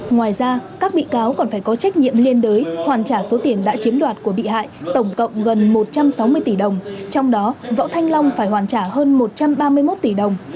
ngoài ra các bị cáo còn phải có trách nhiệm liên đới hoàn trả số tiền đã chiếm đoạt của bị hại tổng cộng gần một trăm sáu mươi tỷ đồng trong đó võ thanh long phải hoàn trả hơn một trăm ba mươi một tỷ đồng